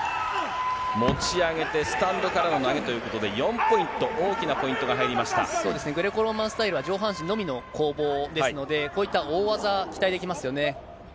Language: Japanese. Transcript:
持ち上げて、スタンドからの投げということで、４ポイント、大きなポイントが入そうですね、グレコローマンスタイルは上半身のみの攻防ですので、こういったん？